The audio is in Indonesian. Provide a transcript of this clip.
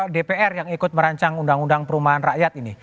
dpr yang ikut merancang undang undang perumahan rakyat ini